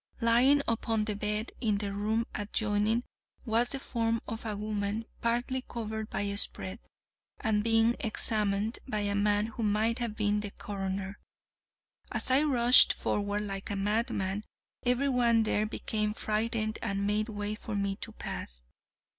Lying upon the bed, in the room adjoining, was the form of a woman partly covered by a spread, and being examined by a man who might have been the coroner. As I rushed forward like a madman, every one there became frightened and made way for me to pass.